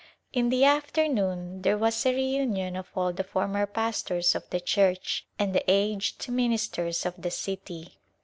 In the afternoon there was a reunion of all the former pastors of the church and the aged ministers of the city.